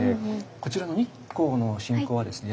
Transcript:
こちらの日光の信仰はですね